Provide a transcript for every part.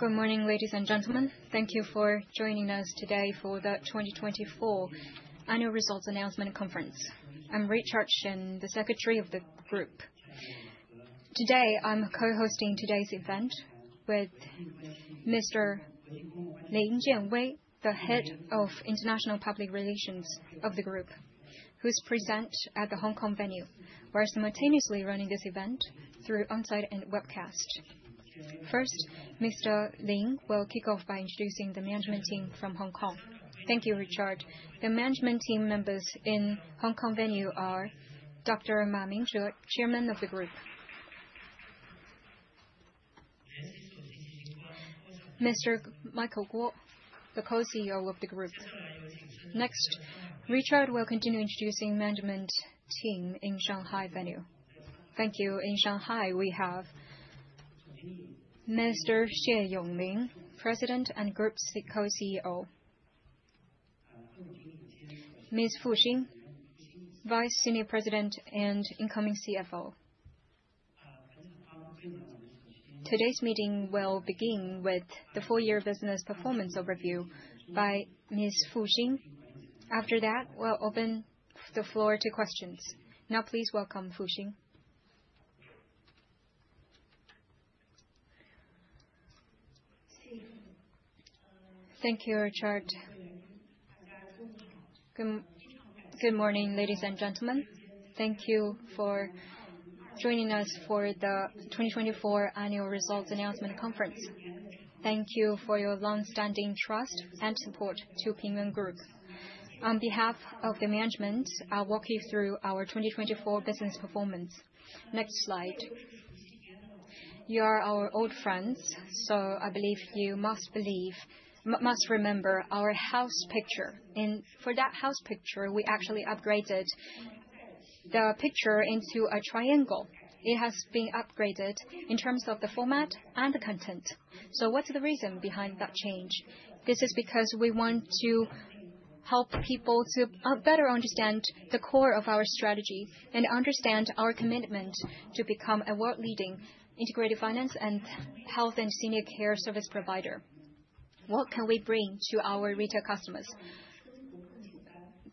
Good morning, ladies and gentlemen. Thank you for joining us today for the 2024 Annual Results Announcement Conference. I'm Rachel Hershen, the Secretary of the Group. Today, I'm co-hosting today's event with Mr. Lin Jianwei, the Head of International Public Relations of the Group, who is present at the Hong Kong venue, where we're simultaneously running this event through onsite and webcast. First, Mr. Lin will kick off by introducing the management team from Hong Kong. Thank you, Rachel. The management team members in Hong Kong venue are Dr. Ma Mingzhu, Chairman of the Group; Mr. Michael Guo, the Co-CEO of the Group. Next, Rachel will continue introducing the management team in Shanghai venue. Thank you. In Shanghai, we have Mr. Xie Yonglin, President and Group's Co-CEO; Ms. Fu Xing, Senior Vice President and incoming CFO. Today's meeting will begin with the four-year business performance overview by Ms. Fu Xing. After that, we'll open the floor to questions. Now, please welcome Fu Xing. Thank you, Rachel. Good morning, ladies and gentlemen. Thank you for joining us for the 2024 Annual Results Announcement Conference. Thank you for your long-standing trust and support to Ping An Group. On behalf of the management, I'll walk you through our 2024 business performance. Next slide. You are our old friends, so I believe you must remember our House picture. For that house picture, we actually upgraded the picture into a triangle. It has been upgraded in terms of the format and the content. What is the reason behind that change? This is because we want to help people to better understand the core of our strategy and understand our commitment to become a world-leading integrated finance and health and senior care service provider. What can we bring to our retail customers?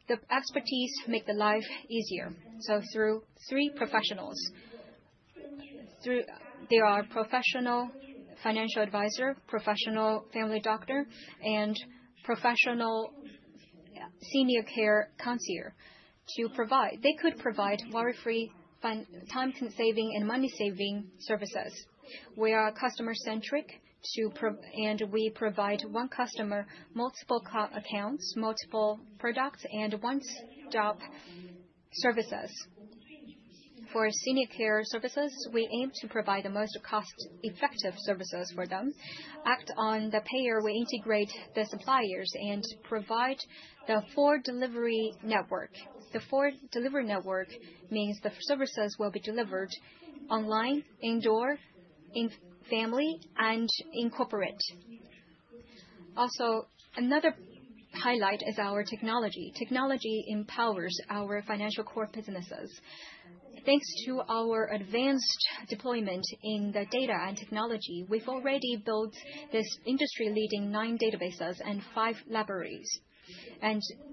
The expertise makes life easier. Through three professionals, there are a professional financial advisor, a professional family doctor, and a professional senior care concierge to provide—they could provide worry-free, time-saving, and money-saving services. We are customer-centric, and we provide one customer, multiple accounts, multiple products, and one-stop services. For senior care services, we aim to provide the most cost-effective services for them. Act on the payer, we integrate the suppliers and provide the four-delivery network. The four-delivery network means the services will be delivered online, in-store, at-home, and in corporate. Also, another highlight is our technology. Technology empowers our financial core businesses. Thanks to our advanced deployment in the data and technology, we have already built this industry-leading nine databases and five libraries.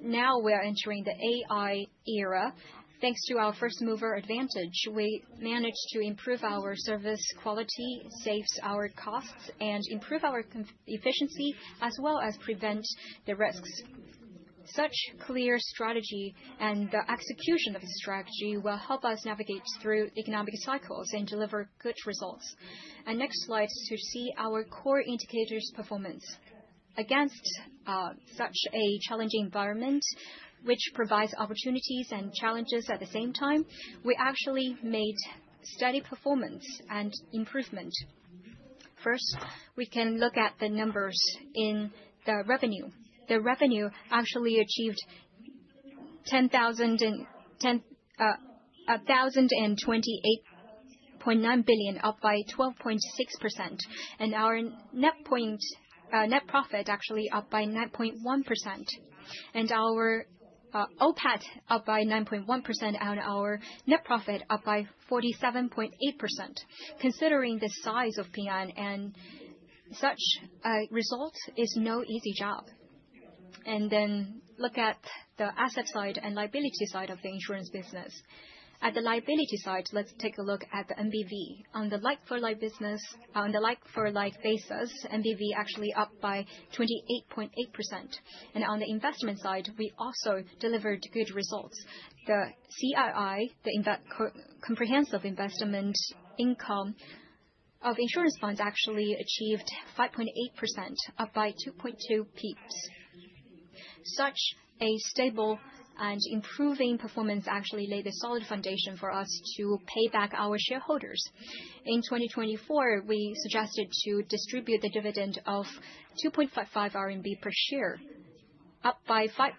Now we are entering the AI era. Thanks to our first-mover advantage, we manage to improve our service quality, save our costs, and improve our efficiency, as well as prevent the risks. Such clear strategy and the execution of the strategy will help us navigate through economic cycles and deliver good results. Next slide to see our core indicators' performance. Against such a challenging environment, which provides opportunities and challenges at the same time, we actually made steady performance and improvement. First, we can look at the numbers in the revenue. The revenue actually achieved 1,028.9 billion, up by 12.6%, and our net profit actually up by 9.1%, and our OPAT up by 9.1%, and our net profit up by 47.8%. Considering the size of Ping An, such a result is no easy job. Then look at the asset side and liability side of the insurance business. At the liability side, let's take a look at the MBV. On the like-for-like basis, MBV actually up by 28.8%. On the investment side, we also delivered good results. The CII, the Comprehensive Investment Income of insurance funds, actually achieved 5.8%, up by 2.2 percentage points. Such a stable and improving performance actually laid a solid foundation for us to pay back our shareholders. In 2024, we suggested to distribute the dividend of 2.55 RMB per share, up by 5%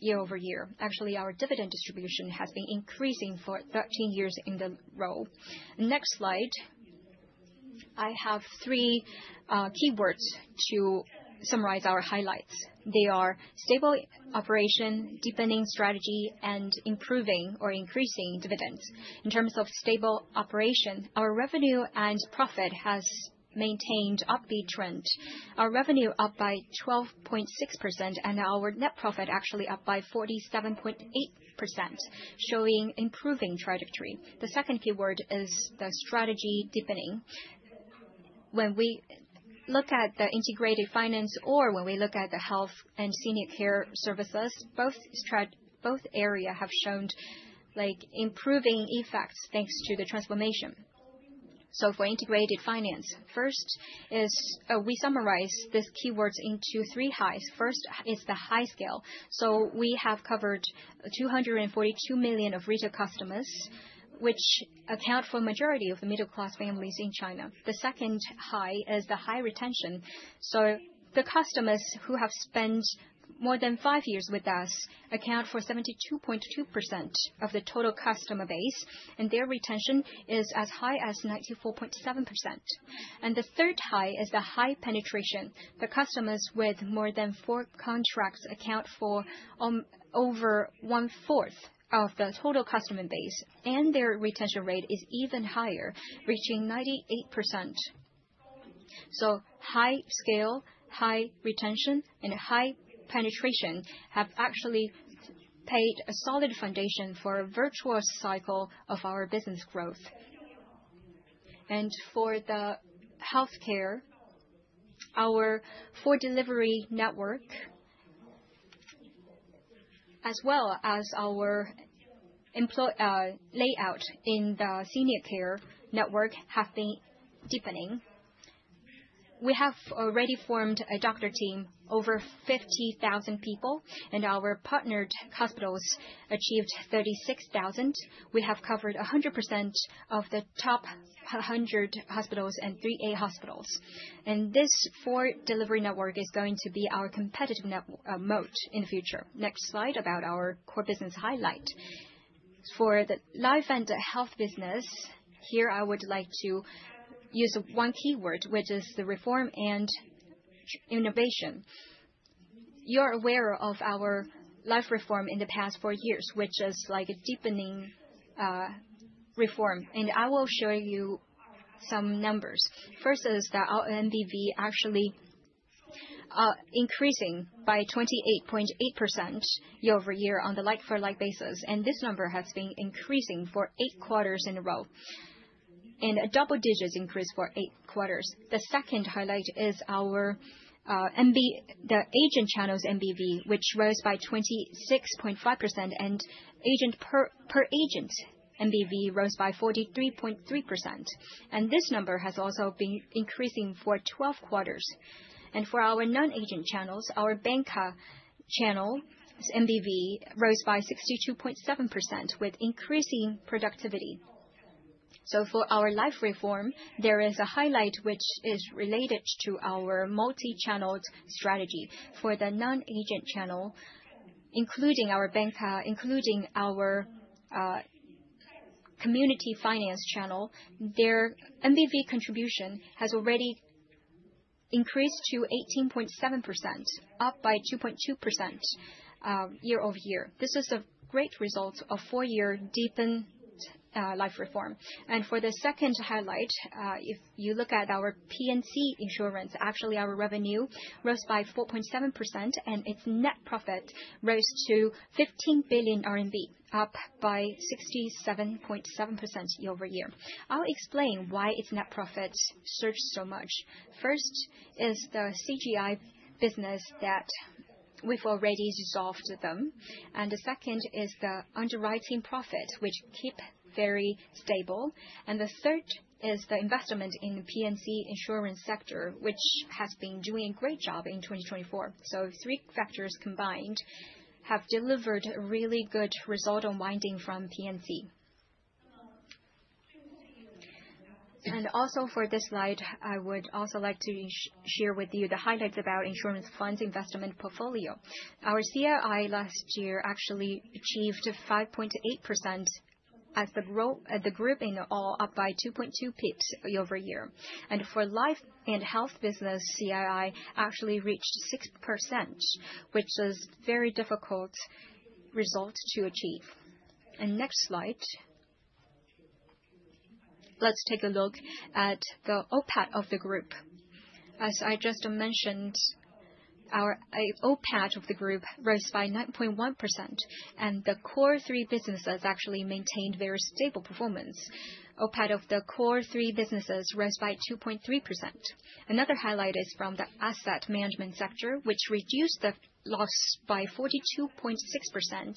year-over-year. Actually, our dividend distribution has been increasing for 13 years in a row. Next slide. I have three keywords to summarize our highlights. They are stable operation, deepening strategy, and improving or increasing dividends. In terms of stable operation, our revenue and profit have maintained an upbeat trend. Our revenue is up by 12.6%, and our net profit is actually up by 47.8%, showing an improving trajectory. The second keyword is the strategy deepening. When we look at the integrated finance or when we look at the health and senior care services, both areas have shown improving effects thanks to the transformation. For integrated finance, first, we summarize these keywords into three highs. First is the high scale. We have covered 242 million retail customers, which account for the majority of the middle-class families in China. The second high is the high retention. The customers who have spent more than five years with us account for 72.2% of the total customer base, and their retention is as high as 94.7%. The third high is the high penetration. The customers with more than four contracts account for over one-fourth of the total customer base, and their retention rate is even higher, reaching 98%. High scale, high retention, and high penetration have actually paid a solid foundation for a virtuous cycle of our business growth. For the healthcare, our four-delivery network, as well as our layout in the senior care network, have been deepening. We have already formed a doctor team, over 50,000 people, and our partnered hospitals achieved 36,000. We have covered 100% of the top 100 hospitals and three A hospitals. This four-delivery network is going to be our competitive moat in the future. Next slide about our core business highlight. For the life and health business, here I would like to use one keyword, which is the reform and innovation. You are aware of our life reform in the past four years, which is like a deepening reform. I will show you some numbers. First is that our MBV is actually increasing by 28.8% year over year on the like-for-like basis. This number has been increasing for eight quarters in a row, and a double-digit increase for eight quarters. The second highlight is the agent channel's MBV, which rose by 26.5%, and agent-per-agent MBV rose by 43.3%. This number has also been increasing for 12 quarters. For our non-agent channels, our banker channel's MBV rose by 62.7%, with increasing productivity. For our life reform, there is a highlight which is related to our multi-channeled strategy. For the non-agent channel, including our banker and including our community finance channel, their MBV contribution has already increased to 18.7%, up by 2.2% year-over-year. This is a great result of four-year deepened life reform. For the second highlight, if you look at our P&C insurance, actually our revenue rose by 4.7%, and its net profit rose to 15 billion RMB, up by 67.7% year over year. I'll explain why its net profit surged so much. First is the CGI business that we've already resolved with them. The second is the underwriting profit, which keeps very stable. The third is the investment in the P&C insurance sector, which has been doing a great job in 2024. Three factors combined have delivered a really good result on winding from P&C. For this slide, I would also like to share with you the highlights about insurance funds investment portfolio. Our CII last year actually achieved 5.8% as the group in all, up by 2.2 percentage points year-over-year. For life and health business, CII actually reached 6%, which is a very difficult result to achieve. Next slide. Let's take a look at the OPAT of the group. As I just mentioned, our OPAT of the group rose by 9.1%, and the core three businesses actually maintained very stable performance. OPAT of the core three businesses rose by 2.3%. Another highlight is from the asset management sector, which reduced the loss by 42.6%,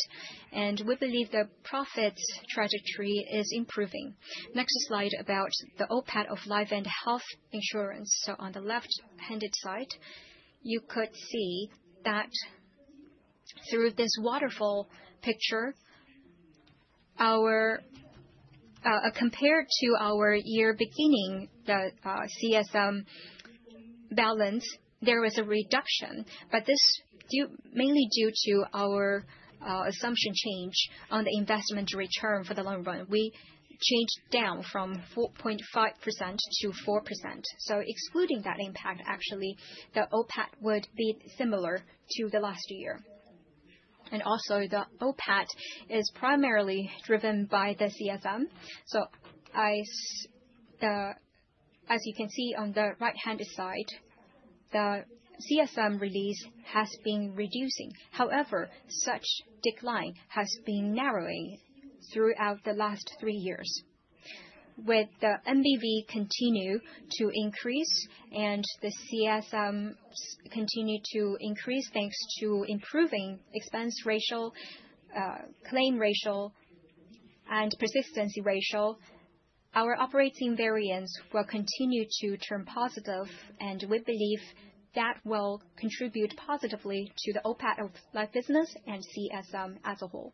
and we believe the profit trajectory is improving. Next slide about the OPAT of life and health insurance. On the left-handed side, you could see that through this waterfall picture, compared to our year beginning, the CSM balance, there was a reduction, but this is mainly due to our assumption change on the investment return for the long run. We changed down from 4.5% to 4%. Excluding that impact, actually, the OPAT would be similar to last year. Also, the OPAT is primarily driven by the CSM. As you can see on the right-hand side, the CSM release has been reducing. However, such decline has been narrowing throughout the last three years. With the MBV continuing to increase and the CSM continuing to increase thanks to improving expense ratio, claim ratio, and persistency ratio, our operating variance will continue to turn positive, and we believe that will contribute positively to the OPAT of life business and CSM as a whole.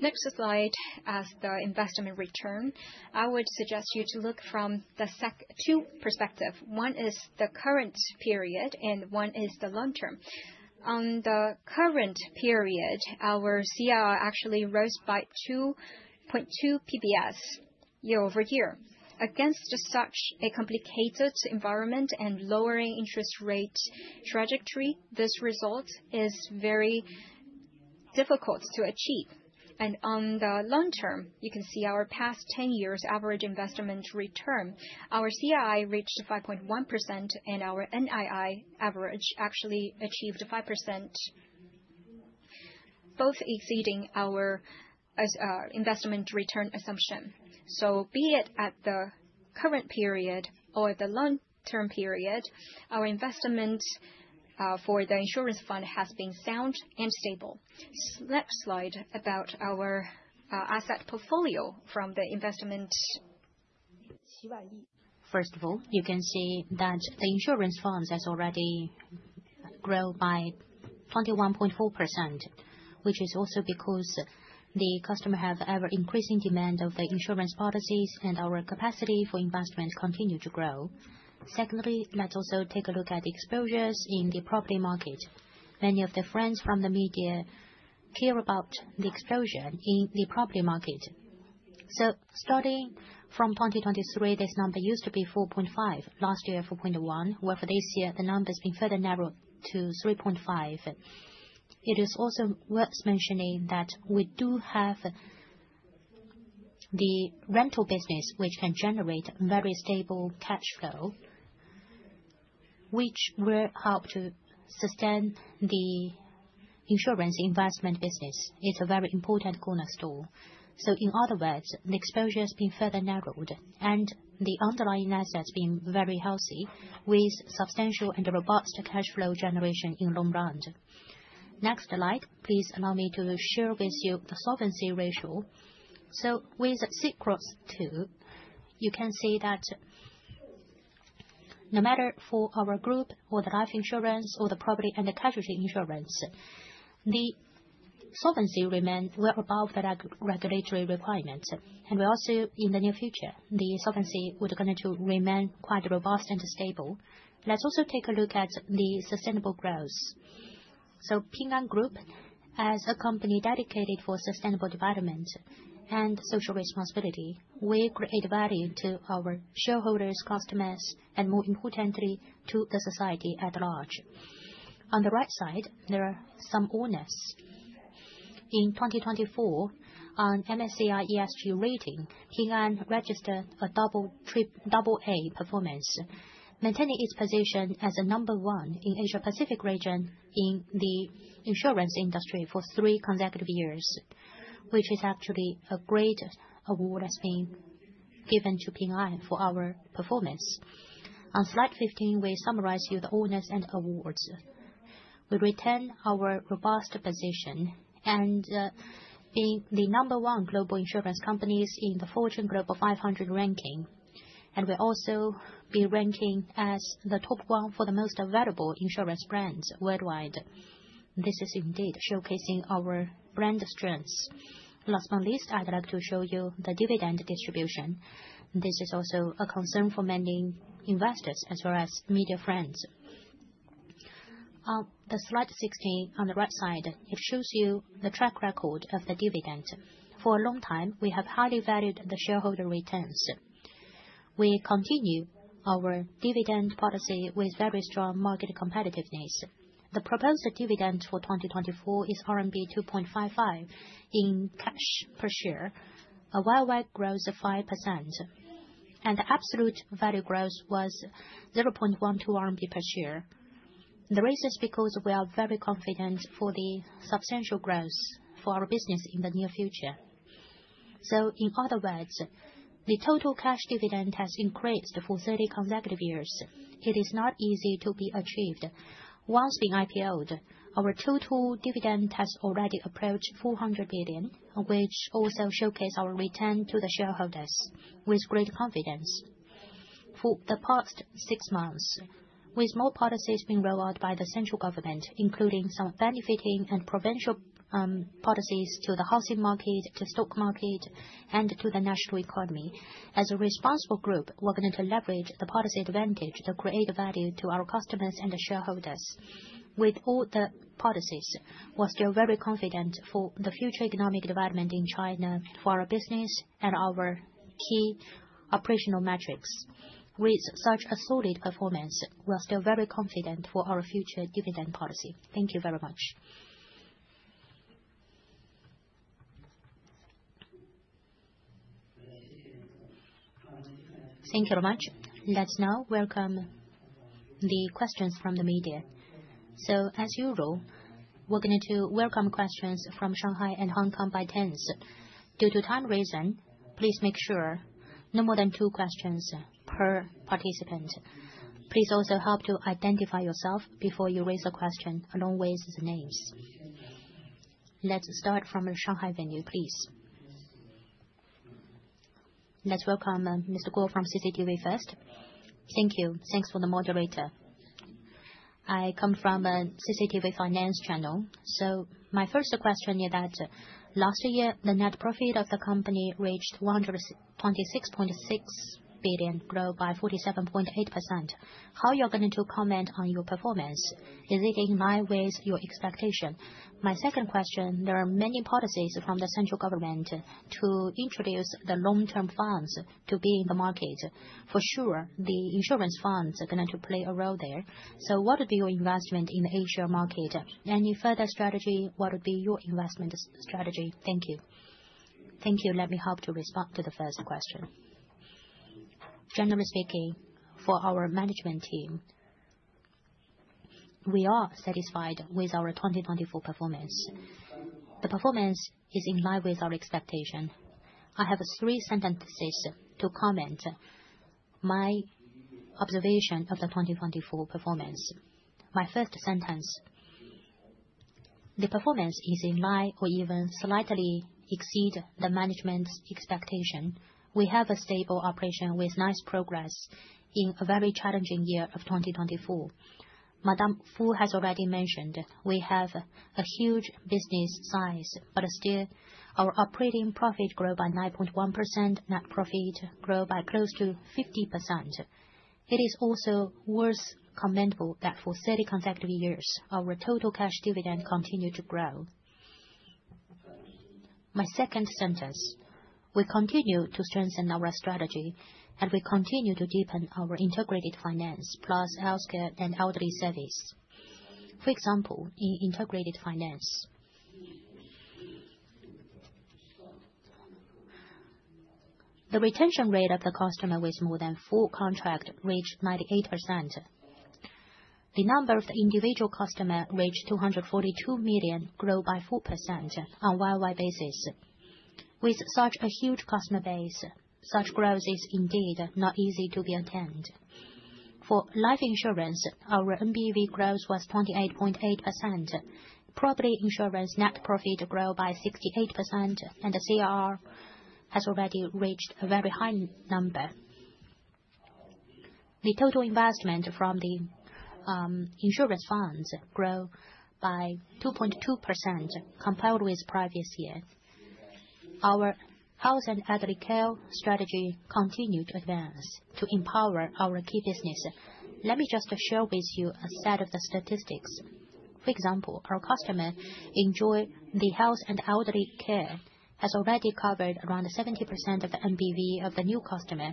Next slide is the investment return. I would suggest you look from two perspectives. One is the current period, and one is the long term. On the current period, our CII actually rose by 2.2 basis points year-over-year. Against such a complicated environment and lowering interest rate trajectory, this result is very difficult to achieve. On the long term, you can see our past 10 years' average investment return. Our CII reached 5.1%, and our NII average actually achieved 5%, both exceeding our investment return assumption. Be it at the current period or the long-term period, our investment for the insurance fund has been sound and stable. Next slide about our asset portfolio from the investment. First of all, you can see that the insurance funds have already grown by 21.4%, which is also because the customers have an ever-increasing demand of the insurance policies, and our capacity for investment continues to grow. Secondly, let's also take a look at the exposures in the property market. Many of the friends from the media care about the exposure in the property market. Starting from 2023, this number used to be 4.5. Last year, 4.1, where for this year, the number has been further narrowed to 3.5. It is also worth mentioning that we do have the rental business, which can generate very stable cash flow, which will help to sustain the insurance investment business. It is a very important cornerstone. In other words, the exposure has been further narrowed, and the underlying assets have been very healthy, with substantial and robust cash flow generation in the long run. Next slide, please allow me to share with you the solvency ratio. With C-ROSS II, you can see that no matter for our group or the life insurance or the property and casualty insurance, the solvency remains well above the regulatory requirements. We also, in the near future, the solvency is going to remain quite robust and stable. Let's also take a look at the sustainable growth. Ping An Group, as a company dedicated to sustainable development and social responsibility, will create value to our shareholders, customers, and more importantly, to the society at large. On the right side, there are some owners. In 2024, on MSCI ESG rating, Ping An registered a double-A performance, maintaining its position as number one in the Asia-Pacific region in the insurance industry for three consecutive years, which is actually a great award that's been given to Ping An for our performance. On slide 15, we summarize the owners and awards. We retain our robust position and being the number one global insurance company in the Fortune Global 500 ranking. We also be ranking as the top one for the most available insurance brands worldwide. This is indeed showcasing our brand strengths. Last but not least, I'd like to show you the dividend distribution. This is also a concern for many investors as well as media friends. On slide 16, on the right side, it shows you the track record of the dividend. For a long time, we have highly valued the shareholder returns. We continue our dividend policy with very strong market competitiveness. The proposed dividend for 2024 is RMB 2.55 in cash per share, a well-wide growth of 5%. The absolute value growth was 0.12 RMB per share. The reason is because we are very confident for the substantial growth for our business in the near future. In other words, the total cash dividend has increased for 30 consecutive years. It is not easy to be achieved. Once being IPO'd, our total dividend has already approached 400 billion, which also showcases our return to the shareholders with great confidence. For the past six months, with more policies being rolled out by the central government, including some benefiting and prevention policies to the housing market, to the stock market, and to the national economy, as a responsible group, we're going to leverage the policy advantage to create value to our customers and the shareholders. With all the policies, we're still very confident for the future economic development in China for our business and our key operational metrics. With such a solid performance, we're still very confident for our future dividend policy. Thank you very much. Thank you very much. Let's now welcome the questions from the media. As usual, we're going to welcome questions from Shanghai and Hong Kong by turns. Due to time reasons, please make sure no more than two questions per participant. Please also help to identify yourself before you raise a question, along with the names. Let's start from Shanghai venue, please. Let's welcome Mr. Guo from CCTV first. Thank you. Thanks for the moderator. I come from CCTV Finance Channel. My first question is that last year, the net profit of the company reached 126.6 billion, growth by 47.8%. How are you going to comment on your performance? Is it in line with your expectation? My second question, there are many policies from the central government to introduce the long-term funds to be in the market. For sure, the insurance funds are going to play a role there. What would be your investment in the Asia market? Any further strategy? What would be your investment strategy? Thank you. Thank you. Let me help to respond to the first question. Generally speaking, for our management team, we are satisfied with our 2024 performance. The performance is in line with our expectation. I have three sentences to comment my observation of the 2024 performance. My first sentence, the performance is in line or even slightly exceeds the management's expectation. We have a stable operation with nice progress in a very challenging year of 2024. Madam Fu has already mentioned we have a huge business size, but still our operating profit grew by 9.1%, net profit grew by close to 50%. It is also worth commending that for 30 consecutive years, our total cash dividend continued to grow. My second sentence, we continue to strengthen our strategy, and we continue to deepen our integrated finance, plus healthcare and elderly service. For example, in integrated finance, the retention rate of the customer with more than four contracts reached 98%. The number of the individual customers reached 242 million, grew by 4% on a worldwide basis. With such a huge customer base, such growth is indeed not easy to be attained. For life insurance, our MBV growth was 28.8%. Property insurance net profit grew by 68%, and the CRR has already reached a very high number. The total investment from the insurance funds grew by 2.2%, compared with the previous year. Our health and elderly care strategy continued to advance to empower our key business. Let me just share with you a set of the statistics. For example, our customer enjoys the health and elderly care, has already covered around 70% of the MBV of the new customer.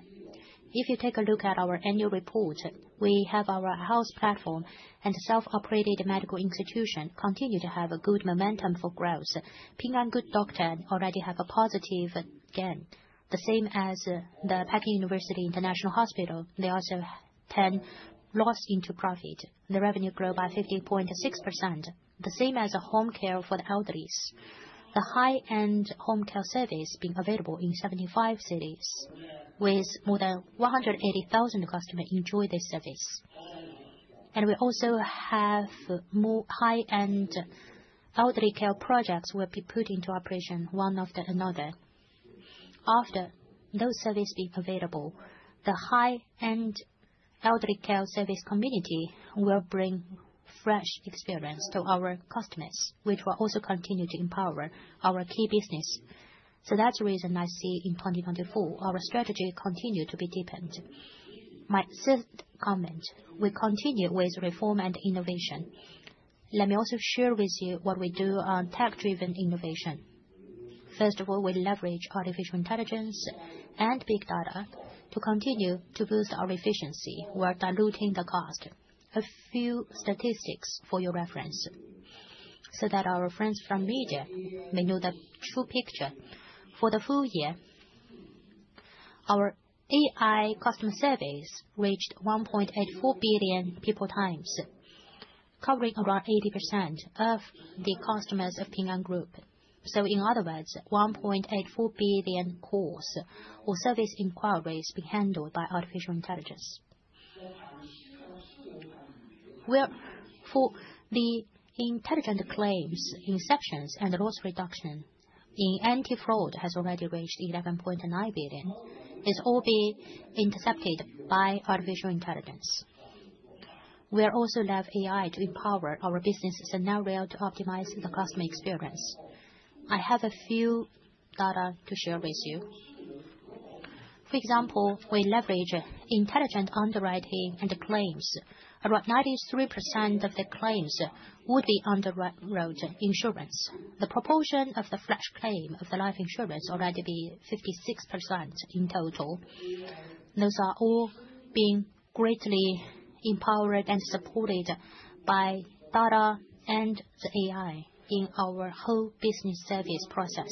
If you take a look at our annual report, we have our health platform and self-operated medical institution continue to have a good momentum for growth. Ping An Good Doctor already has a positive gain. The same as the Peking University International Hospital, they also turned loss into profit. The revenue grew by 50.6%. The same as home care for the elders. The high-end home care service has been available in 75 cities, with more than 180,000 customers enjoying this service. We also have more high-end elderly care projects that will be put into operation one after another. After those services have been available, the high-end elderly care service community will bring fresh experiences to our customers, which will also continue to empower our key business. That is the reason I see in 2024 our strategy continues to be deepened. My third comment, we continue with reform and innovation. Let me also share with you what we do on tech-driven innovation. First of all, we leverage artificial intelligence and big data to continue to boost our efficiency. We are diluting the cost. A few statistics for your reference so that our friends from media may know the true picture. For the full year, our AI customer service reached 1.84 billion people times, covering around 80% of the customers of Ping An Group. In other words, 1.84 billion calls or service inquiries have been handled by artificial intelligence. For the intelligent claims inceptions and loss reduction, in anti-fraud has already reached 11.9 billion. It's all been intercepted by artificial intelligence. We also love AI to empower our business scenario to optimize the customer experience. I have a few data to share with you. For example, we leverage intelligent underwriting and claims. Around 93% of the claims would be underwrite insurance. The proportion of the flash claim of the life insurance already be 56% in total. Those are all being greatly empowered and supported by data and the AI in our whole business service process.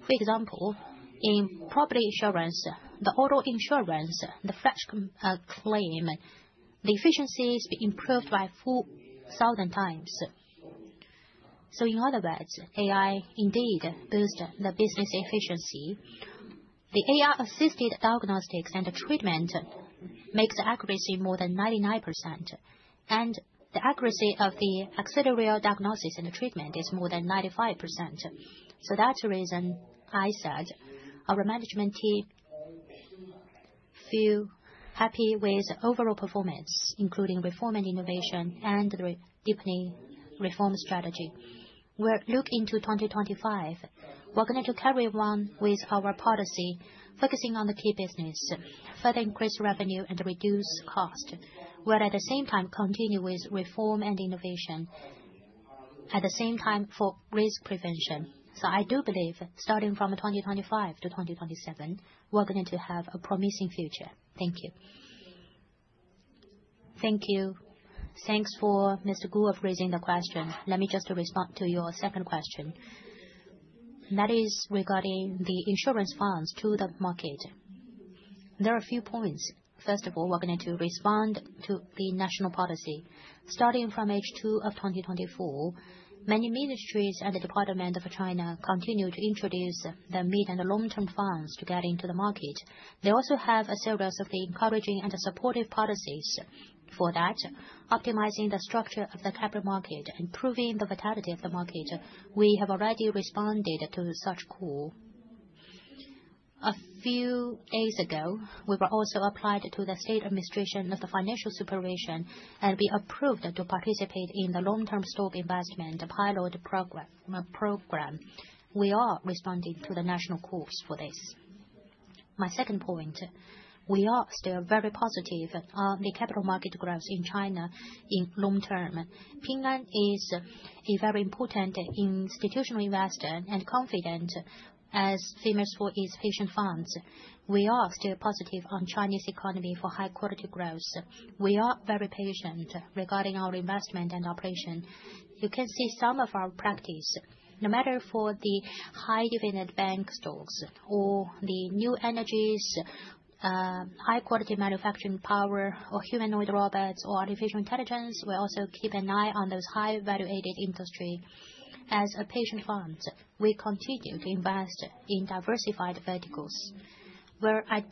For example, in property insurance, the auto insurance, the flash claim, the efficiency has been improved by 4,000 times. In other words, AI indeed boosts the business efficiency. The AI-assisted diagnostics and treatment makes the accuracy more than 99%, and the accuracy of the auxiliary diagnosis and treatment is more than 95%. That is the reason I said our management team feel happy with overall performance, including reform and innovation and the deepening reform strategy. We're looking into 2025. We're going to carry on with our policy, focusing on the key business, further increase revenue and reduce cost, while at the same time continue with reform and innovation, at the same time for risk prevention. I do believe starting from 2025 to 2027, we're going to have a promising future. Thank you. Thank you. Thanks for Mr. Guo for raising the question. Let me just respond to your second question. That is regarding the insurance funds to the market. There are a few points. First of all, we're going to respond to the national policy. Starting from H2 of 2024, many ministries and the Department of China continue to introduce the mid and long-term funds to get into the market. They also have a series of encouraging and supportive policies for that, optimizing the structure of the capital market, improving the vitality of the market. We have already responded to such call. A few days ago, we were also applied to the State Administration of the Financial Supervision, and we approved to participate in the long-term stock investment pilot program. We are responding to the national calls for this. My second point, we are still very positive on the capital market growth in China in long term. Ping An is a very important institutional investor and confident as famous for its patient funds. We are still positive on Chinese economy for high-quality growth. We are very patient regarding our investment and operation. You can see some of our practice, no matter for the high-dividend bank stocks or the new energies, high-quality manufacturing power, or humanoid robots or artificial intelligence, we also keep an eye on those high-valuated industries. As a patient fund, we continue to invest in diversified verticals. We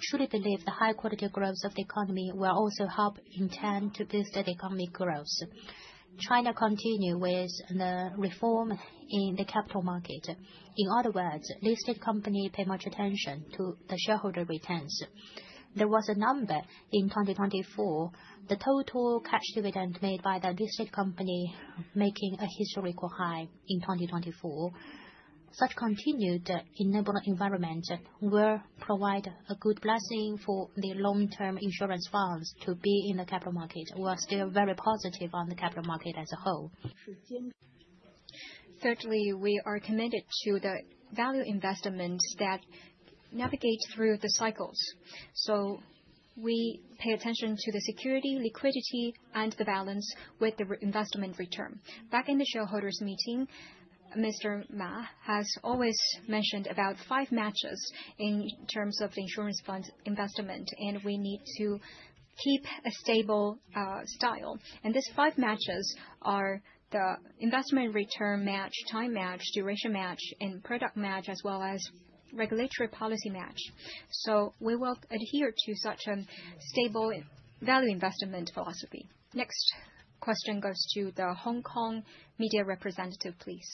truly believe the high-quality growth of the economy will also help intend to boost the economic growth. China continues with the reform in the capital market. In other words, listed companies pay much attention to the shareholder returns. There was a number in 2024, the total cash dividend made by the listed company making a historical high in 2024. Such continued enabling environment will provide a good blessing for the long-term insurance funds to be in the capital market. We are still very positive on the capital market as a whole. Certainly, we are committed to the value investment that navigates through the cycles. We pay attention to the security, liquidity, and the balance with the investment return. Back in the shareholders' meeting, Mr. Ma has always mentioned about five matches in terms of the insurance funds investment, and we need to keep a stable style. These five matches are the investment return match, time match, duration match, product match, as well as regulatory policy match. We will adhere to such a stable value investment philosophy. Next question goes to the Hong Kong media representative, please.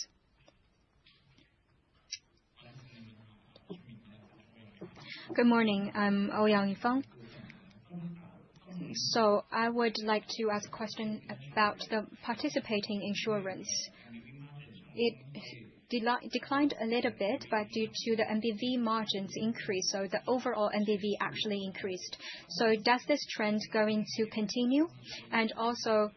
Good morning. I'm Ouyang Yifeng. I would like to ask a question about the participating insurance. It declined a little bit, but due to the MBV margins increase, the overall MBV actually increased. Does this trend going to continue? Also,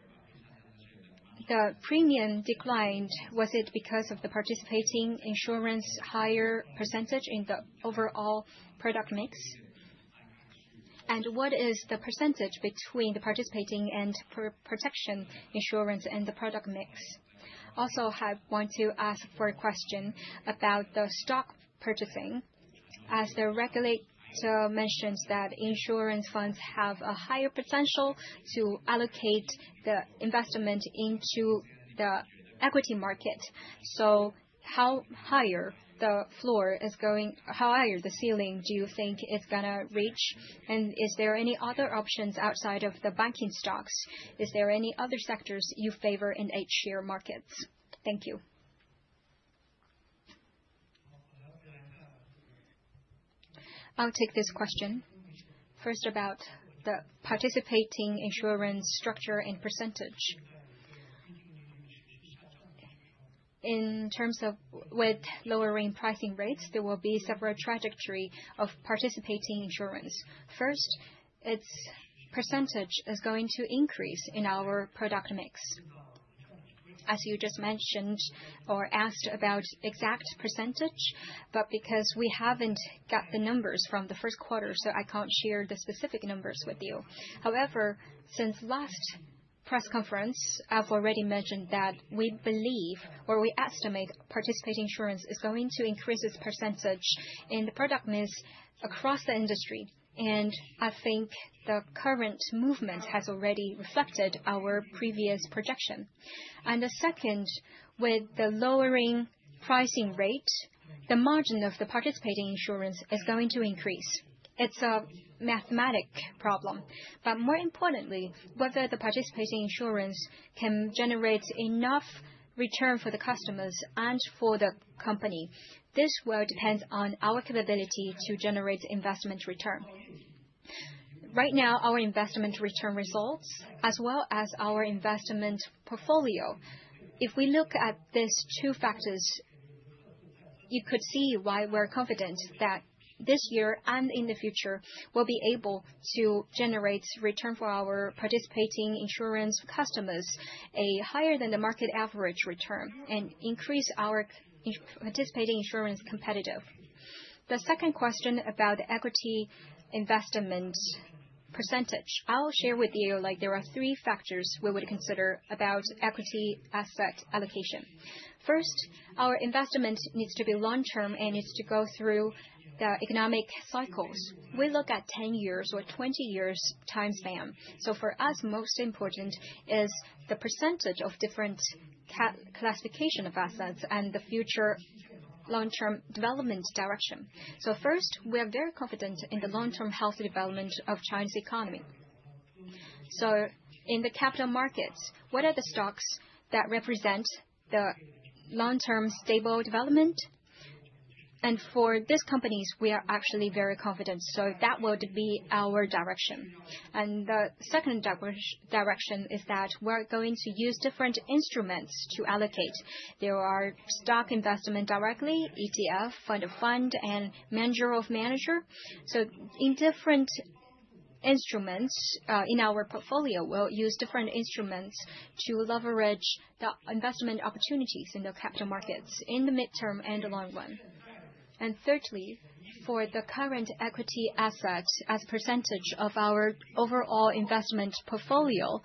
the premium declined, was it because of the participating insurance higher percentage in the overall product mix? What is the percentage between the participating and protection insurance in the product mix? I also want to ask a question about the stock purchasing, as the regulator mentions that insurance funds have a higher potential to allocate the investment into the equity market. How higher the floor is going, how higher the ceiling do you think it's going to reach? Is there any other options outside of the banking stocks? Is there any other sectors you favor in H share markets? Thank you. I'll take this question. First, about the participating insurance structure and percentage. In terms of with lowering pricing rates, there will be several trajectories of participating insurance. First, its percentage is going to increase in our product mix. As you just mentioned or asked about exact percentage, but because we haven't got the numbers from the first quarter, I can't share the specific numbers with you. However, since last press conference, I've already mentioned that we believe, or we estimate, participating insurance is going to increase its percentage in the product mix across the industry. I think the current movement has already reflected our previous projection. The second, with the lowering pricing rate, the margin of the participating insurance is going to increase. It's a mathematic problem. More importantly, whether the participating insurance can generate enough return for the customers and for the company, this will depend on our capability to generate investment return. Right now, our investment return results, as well as our investment portfolio. If we look at these two factors, you could see why we're confident that this year and in the future we'll be able to generate return for our participating insurance customers higher than the market average return and increase our participating insurance competitive. The second question about the equity investment percentage, I'll share with you there are three factors we would consider about equity asset allocation. First, our investment needs to be long-term and needs to go through the economic cycles. We look at 10 years or 20 years' time span. For us, most important is the percentage of different classifications of assets and the future long-term development direction. First, we are very confident in the long-term healthy development of China's economy. In the capital markets, what are the stocks that represent the long-term stable development? For these companies, we are actually very confident. That would be our direction. The second direction is that we're going to use different instruments to allocate. There are stock investment directly, ETF, Fund of Funds, and Manager of Managers. In different instruments in our portfolio, we'll use different instruments to leverage the investment opportunities in the capital markets in the midterm and the long run. Thirdly, for the current equity asset as a percentage of our overall investment portfolio,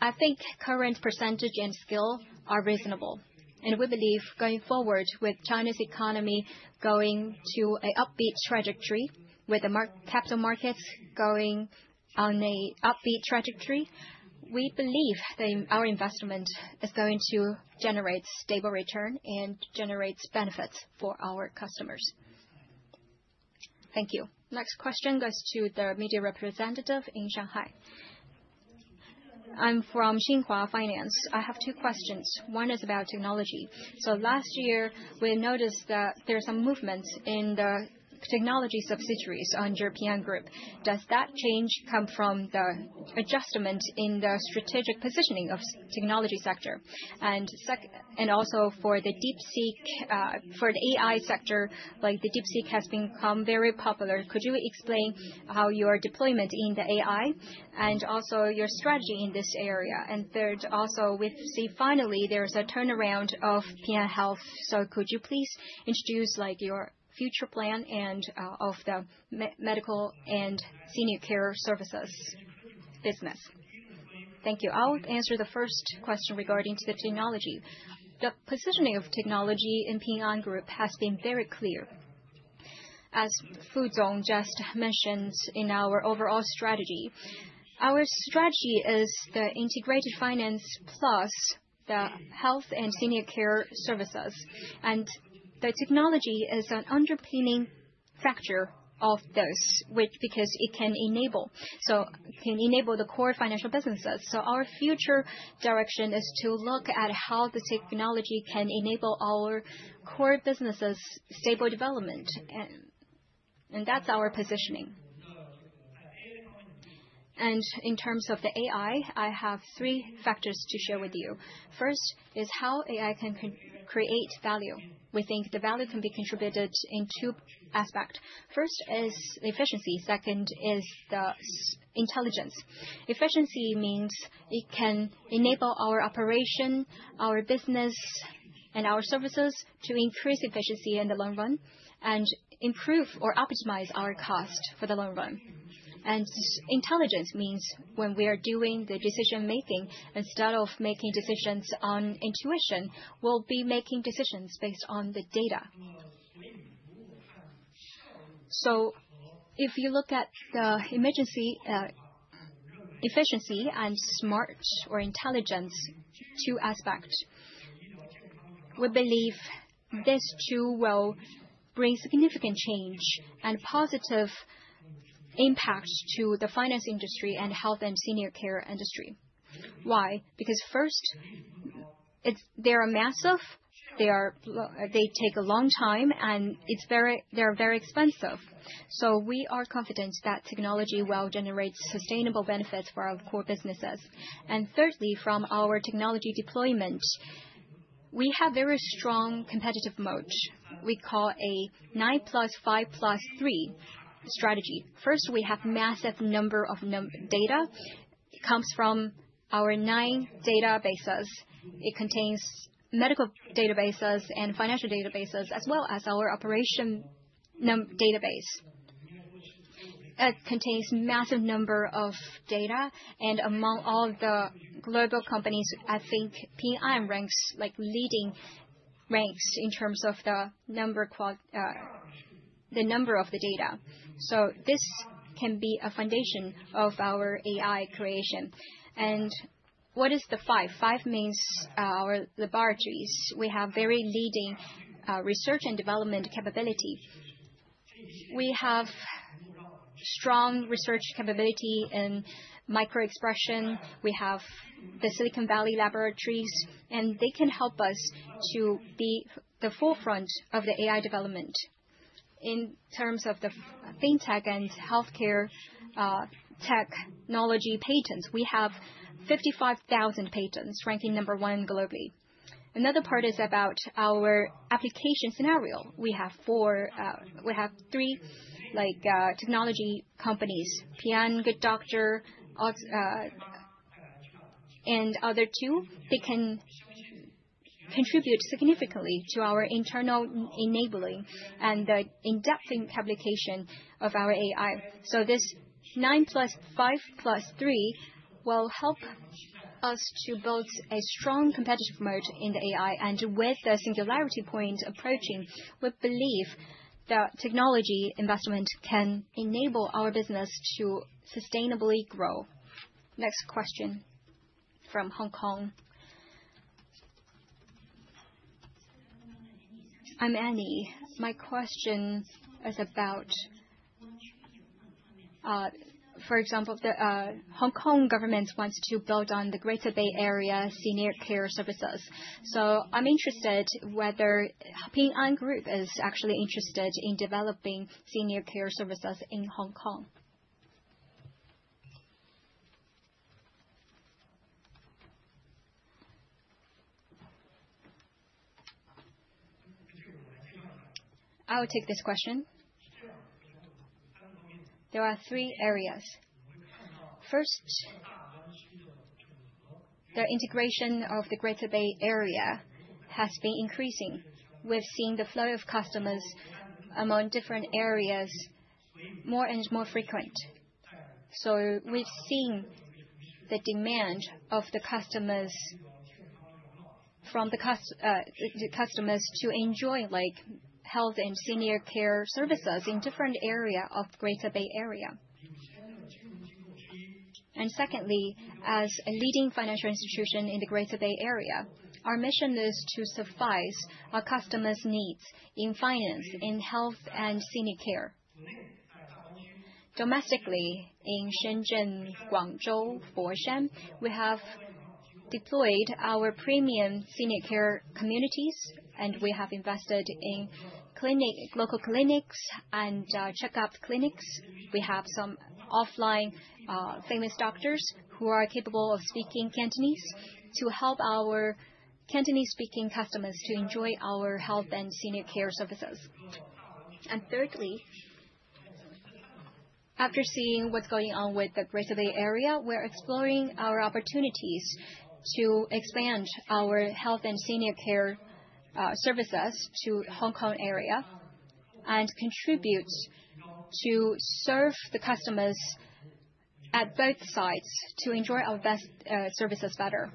I think current percentage and scale are reasonable. We believe going forward with China's economy going to an upbeat trajectory, with the capital markets going on an upbeat trajectory, we believe that our investment is going to generate stable return and generate benefits for our customers. Thank you. Next question goes to the media representative in Shanghai. I'm from Xinhua Finance. I have two questions. One is about technology. Last year, we noticed that there's some movement in the technology subsidiaries under Ping An Group. Does that change come from the adjustment in the strategic positioning of the technology sector? Also for the DeepSeek, for the AI sector, the DeepSeek has become very popular. Could you explain how your deployment in the AI and also your strategy in this area? Third, also we see finally there's a turnaround of Ping An Health. Could you please introduce your future plan of the medical and senior care services business? Thank you. I'll answer the first question regarding the technology. The positioning of technology in Ping An Group has been very clear. As Fuzong just mentioned in our overall strategy, our strategy is the integrated finance plus the health and senior care services. The technology is an underpinning factor of those because it can enable the core financial businesses. Our future direction is to look at how the technology can enable our core businesses' stable development. That's our positioning. In terms of the AI, I have three factors to share with you. First is how AI can create value. We think the value can be contributed in two aspects. First is efficiency. Second is the intelligence. Efficiency means it can enable our operation, our business, and our services to increase efficiency in the long run and improve or optimize our cost for the long run. Intelligence means when we are doing the decision-making, instead of making decisions on intuition, we'll be making decisions based on the data. If you look at the efficiency and smart or intelligence, two aspects, we believe these two will bring significant change and positive impact to the finance industry and health and senior care industry. Why? Because first, they are massive. They take a long time, and they are very expensive. We are confident that technology will generate sustainable benefits for our core businesses. Thirdly, from our technology deployment, we have very strong competitive mode. We call a 9+5+3 strategy. First, we have a massive number of data. It comes from our nine databases. It contains medical databases and financial databases, as well as our operation database. It contains a massive number of data. Among all the global companies, I think Ping An ranks leading in terms of the number of the data. This can be a foundation of our AI creation. What is the five? Five means our laboratories. We have very leading research and development capability. We have strong research capability in micro-expression. We have the Silicon Valley laboratories, and they can help us to be at the forefront of the AI development. In terms of the fintech and healthcare technology patents, we have 55,000 patents, ranking number one globally. Another part is about our application scenario. We have three technology companies: Ping An, Good Doctor, and other two. They can contribute significantly to our internal enabling and the in-depth application of our AI. This 9+5+3 will help us to build a strong competitive mode in the AI. With the singularity point approaching, we believe that technology investment can enable our business to sustainably grow. Next question from Hong Kong. I'm Annie. My question is about, for example, the Hong Kong Government wants to build on the Greater Bay Area senior care services. I'm interested whether Ping An Group is actually interested in developing senior care services in Hong Kong. I'll take this question. There are three areas. First, the integration of the Greater Bay Area has been increasing. We've seen the flow of customers among different areas more and more frequent. We have seen the demand of the customers to enjoy health and senior care services in different areas of the Greater Bay Area. Secondly, as a leading financial institution in the Greater Bay Area, our mission is to suffice our customers' needs in finance, in health, and senior care. Domestically, in Shenzhen, Guangzhou, Foshan, we have deployed our premium senior care communities, and we have invested in local clinics and check-up clinics. We have some offline famous doctors who are capable of speaking Cantonese to help our Cantonese-speaking customers to enjoy our health and senior care services. Thirdly, after seeing what is going on with the Greater Bay Area, we are exploring our opportunities to expand our health and senior care services to the Hong Kong area and contribute to serve the customers at both sides to enjoy our best services better.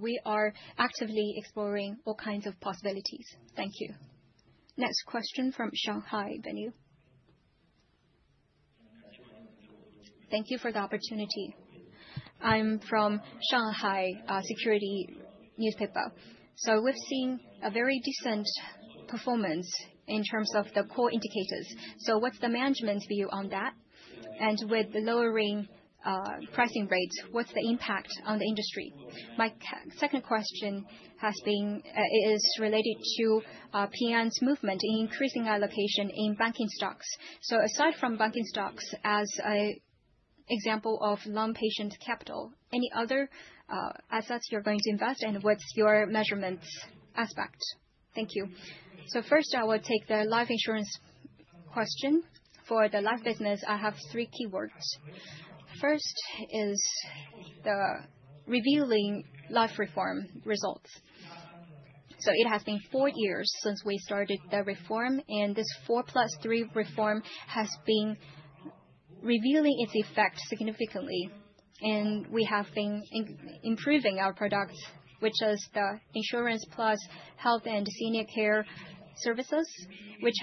We are actively exploring all kinds of possibilities. Thank you. Next question from Shanghai, Bin Yu. Thank you for the opportunity. I'm from Shanghai Security Newspaper. We have seen a very decent performance in terms of the core indicators. What is the management view on that? With the lowering pricing rates, what is the impact on the industry? My second question is related to Ping An's movement in increasing allocation in banking stocks. Aside from banking stocks as an example of long-patient capital, are there any other assets you are going to invest in, and what is your measurement aspect? Thank you. First, I will take the life insurance question. For the life business, I have three keywords. First is the revealing life reform results. It has been four years since we started the reform, and this 4 plus 3 reform has been revealing its effect significantly. We have been improving our products, which is the insurance plus health and senior care services, which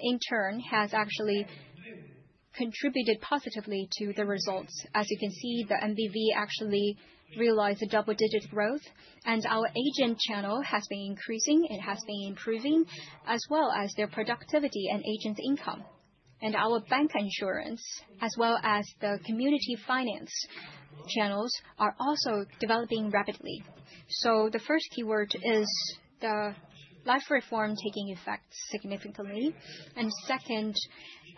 in turn has actually contributed positively to the results. As you can see, the MBV actually realized a double-digit growth. Our agent channel has been increasing. It has been improving, as well as their productivity and agent's income. Our bank insurance, as well as the community finance channels, are also developing rapidly. The first keyword is the life reform taking effect significantly. Second,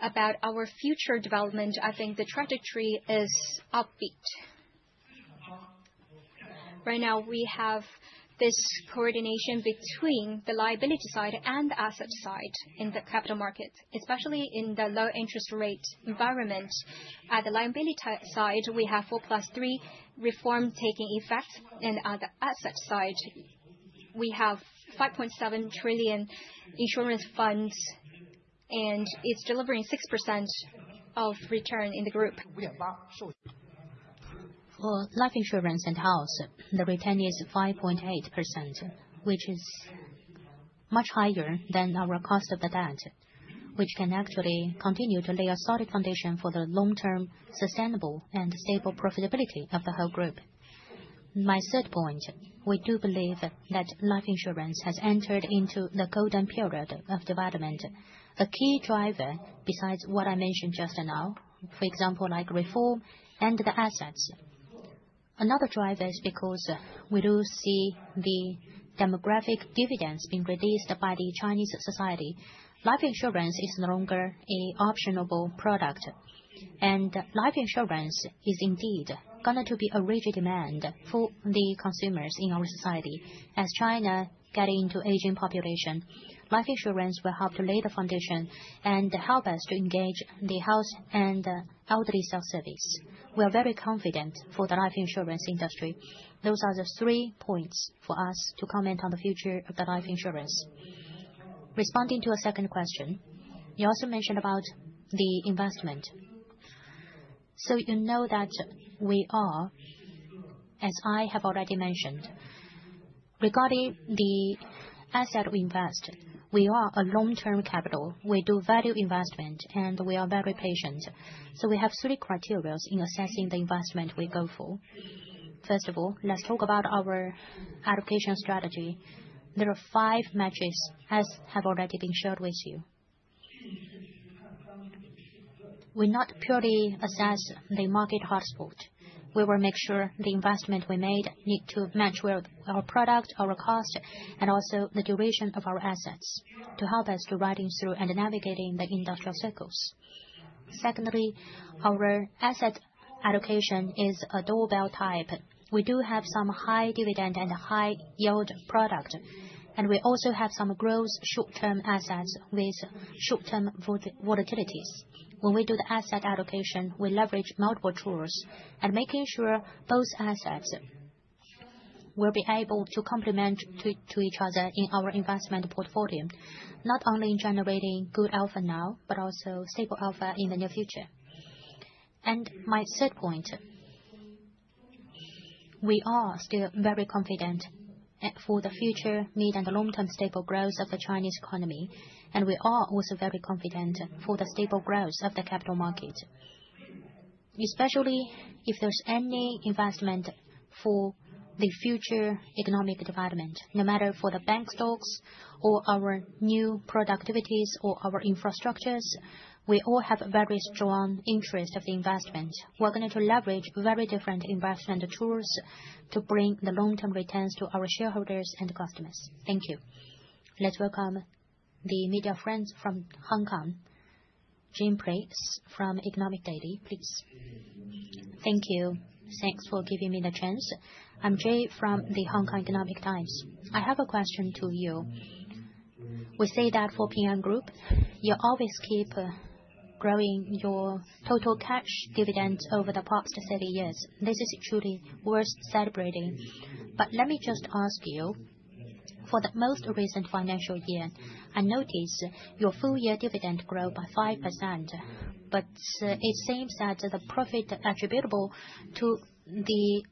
about our future development, I think the trajectory is upbeat. Right now, we have this coordination between the liability side and the asset side in the capital markets, especially in the low-interest rate environment. At the liability side, we have 4+3 reform taking effect. On the asset side, we have 5.7 trillion insurance funds, and it is delivering 6% of return in the group. For life insurance and health, the return is 5.8%, which is much higher than our cost of the debt, which can actually continue to lay a solid foundation for the long-term sustainable and stable profitability of the whole group. My third point, we do believe that life insurance has entered into the golden period of development. A key driver, besides what I mentioned just now, for example, like reform and the assets. Another driver is because we do see the demographic dividends being released by the Chinese society. Life insurance is no longer an optionable product. Life insurance is indeed going to be a real demand for the consumers in our society. As China gets into aging population, life insurance will help to lay the foundation and help us to engage the health and elderly self-service. We are very confident for the life insurance industry. Those are the three points for us to comment on the future of the life insurance. Responding to a second question, you also mentioned about the investment. You know that we are, as I have already mentioned, regarding the asset we invest, we are a long-term capital. We do value investment, and we are very patient. We have three criteria in assessing the investment we go for. First of all, let's talk about our allocation strategy. There are five matches as have already been shared with you. We not purely assess the market hotspot. We will make sure the investment we made needs to match with our product, our cost, and also the duration of our assets to help us to ride through and navigate the industrial cycles. Secondly, our asset allocation is a barbell type. We do have some high dividend and high yield product, and we also have some growth short-term assets with short-term volatilities. When we do the asset allocation, we leverage multiple tools and make sure both assets will be able to complement to each other in our investment portfolio, not only in generating good alpha now, but also stable alpha in the near future. My third point, we are still very confident for the future, mid and long-term stable growth of the Chinese economy, and we are also very confident for the stable growth of the capital market, especially if there is any investment for the future economic development, no matter for the bank stocks or our new productivities or our infrastructures. We all have a very strong interest of the investment. We are going to leverage very different investment tools to bring the long-term returns to our shareholders and customers. Thank you. Let's welcome the media friends from Hong Kong, Jay from Economic Daily, please. Thank you. Thanks for giving me the chance. I am Jay from the Hong Kong Economic Times. I have a question to you. We say that for Ping An Group, you always keep growing your total cash dividends over the past several years. This is truly worth celebrating. Let me just ask you, for the most recent financial year, I noticed your full-year dividend grow by 5%, but it seems that the profit attributable to the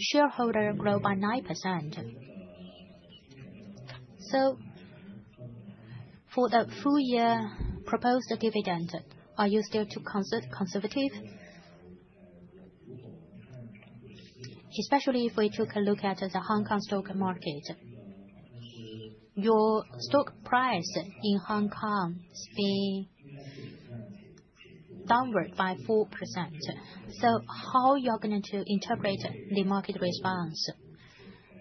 shareholder grew by 9%. For the full-year proposed dividend, are you still too conservative? Especially if we took a look at the Hong Kong stock market, your stock price in Hong Kong has been downward by 4%. How are you going to interpret the market response?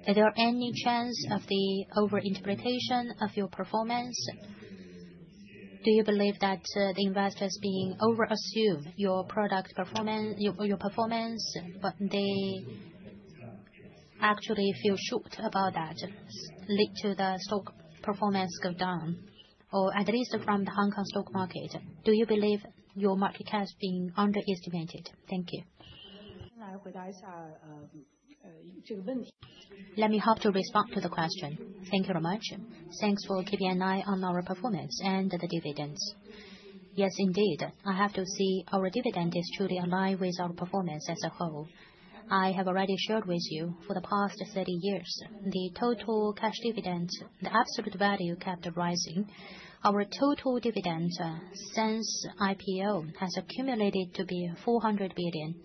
Is there any chance of the over-interpretation of your performance? Do you believe that the investors being over-assumed your performance, but they actually feel shook about that, lead to the stock performance go down, or at least from the Hong Kong stock market? Do you believe your market has been underestimated? Thank you. Let me hope to respond to the question. Thank you very much. Thanks for keeping an eye on our performance and the dividends. Yes, indeed. I have to say our dividend is truly aligned with our performance as a whole. I have already shared with you for the past 30 years, the total cash dividend, the absolute value kept rising. Our total dividend since IPO has accumulated to be 400 billion.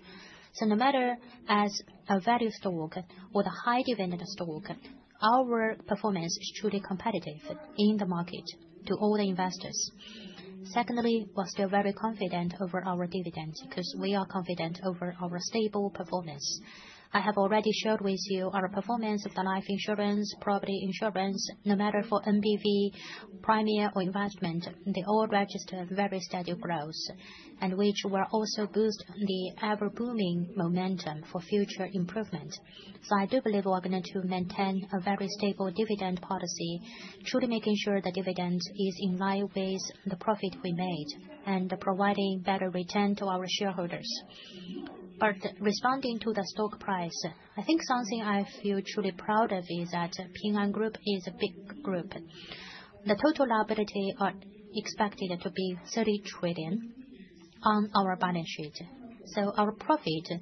No matter as a value stock or a high dividend stock, our performance is truly competitive in the market to all the investors. Secondly, we're still very confident over our dividends because we are confident over our stable performance. I have already shared with you our performance of the life insurance, property insurance, no matter for MBV, Premier or investment, they all register very steady growth, and which will also boost the ever-booming momentum for future improvement. I do believe we're going to maintain a very stable dividend policy, truly making sure the dividend is in line with the profit we made and providing better return to our shareholders. Responding to the stock price, I think something I feel truly proud of is that Ping An Group is a big group. The total liability is expected to be 30 trillion on our balance sheet. Our profit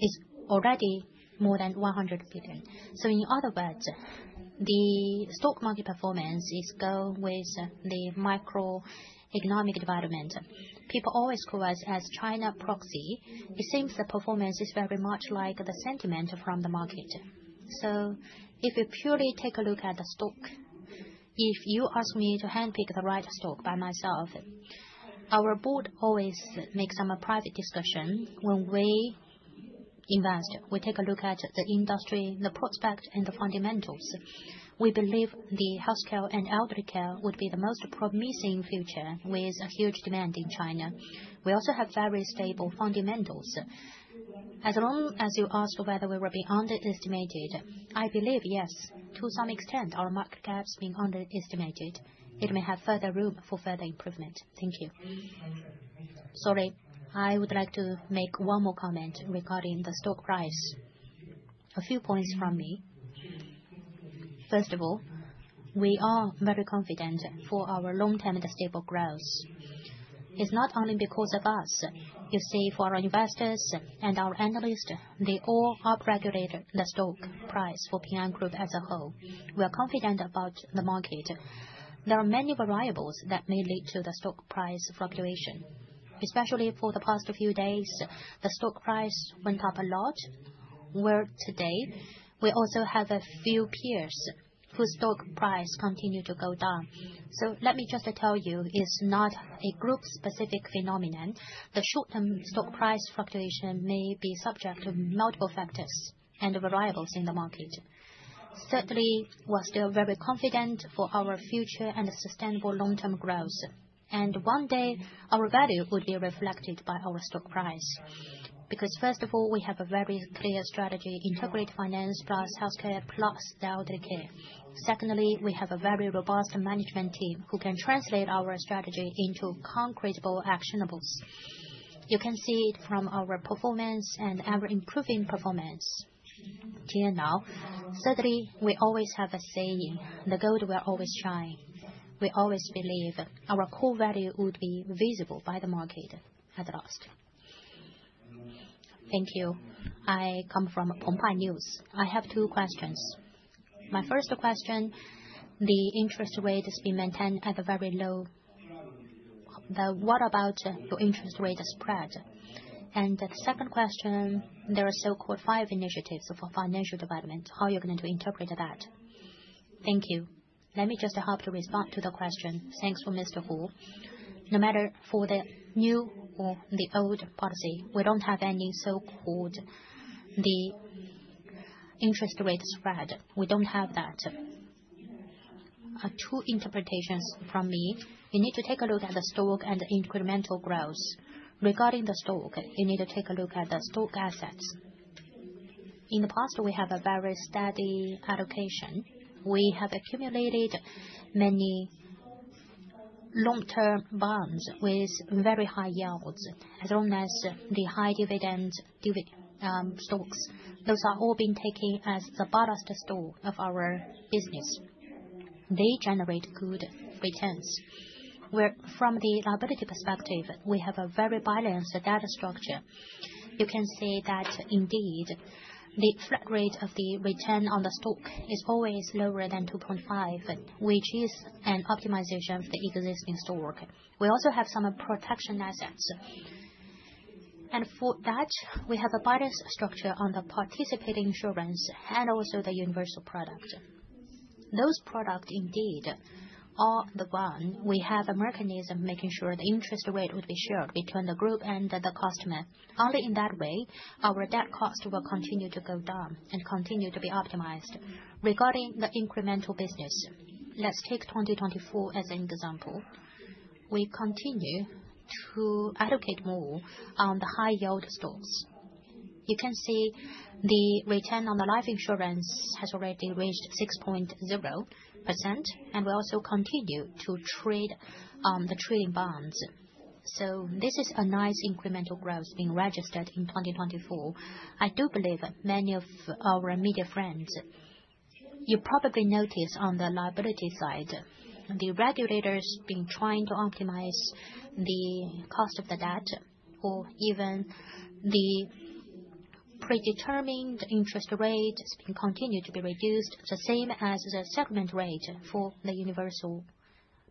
is already more than 100 billion. In other words, the stock market performance is going with the microeconomic development. People always call us China proxy. It seems the performance is very much like the sentiment from the market. If you purely take a look at the stock, if you ask me to handpick the right stock by myself, our board always makes some private discussion when we invest. We take a look at the industry, the prospect, and the fundamentals. We believe the healthcare and elderly care would be the most promising future with a huge demand in China. We also have very stable fundamentals. As long as you ask whether we were beyond estimated, I believe, yes, to some extent, our market cap has been underestimated. It may have further room for further improvement. Thank you. Sorry, I would like to make one more comment regarding the stock price. A few points from me. First of all, we are very confident for our long-term and stable growth. It's not only because of us. You see, for our investors and our analysts, they all upregulated the stock price for Ping An Group as a whole. We are confident about the market. There are many variables that may lead to the stock price fluctuation. Especially for the past few days, the stock price went up a lot, where today we also have a few peers whose stock price continued to go down. Let me just tell you, it's not a group-specific phenomenon. The short-term stock price fluctuation may be subject to multiple factors and variables in the market. Certainly, we're still very confident for our future and sustainable long-term growth. One day, our value would be reflected by our stock price. Because first of all, we have a very clear strategy: integrate finance plus healthcare plus elderly care. Secondly, we have a very robust management team who can translate our strategy into concrete actionables. You can see it from our performance and our improving performance. Anyhow, certainly, we always have a saying, "The gold will always shine." We always believe our core value would be visible by the market at last. Thank you. I come from Ping An News. I have two questions. My first question, the interest rate has been maintained at a very low. What about your interest rate spread? The second question, there are so-called five initiatives for financial development. How are you going to interpret that? Thank you. Let me just hope to respond to the question. Thanks for Mr. Hu. No matter for the new or the old policy, we do not have any so-called interest rate spread. We do not have that. Two interpretations from me. You need to take a look at the stock and incremental growth. Regarding the stock, you need to take a look at the stock assets. In the past, we have a very steady allocation. We have accumulated many long-term bonds with very high yields, as long as the high dividend stocks. Those are all being taken as the ballast of our business. They generate good returns. From the liability perspective, we have a very balanced data structure. You can see that indeed, the flat rate of the return on the stock is always lower than 2.5, which is an optimization of the existing stock. We also have some protection assets. For that, we have a balanced structure on the participating insurance and also the universal product. Those products indeed are the one we have a mechanism making sure the interest rate would be shared between the group and the customer. Only in that way, our debt cost will continue to go down and continue to be optimized. Regarding the incremental business, let's take 2024 as an example. We continue to allocate more on the high-yield stocks. You can see the return on the life insurance has already reached 6.0%, and we also continue to trade the trading bonds. This is a nice incremental growth being registered in 2024. I do believe many of our media friends, you probably noticed on the liability side, the regulators have been trying to optimize the cost of the debt, or even the predetermined interest rate has continued to be reduced, the same as the settlement rate for the universal